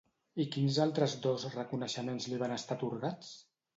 I quins altres dos reconeixements li van estar atorgats?